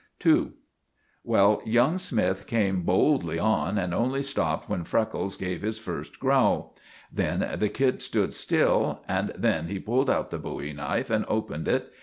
*II* Well, young Smythe came boldly on, and only stopped when Freckles gave his first growl. Then the kid stood still, and then he pulled out the bowie knife and opened it.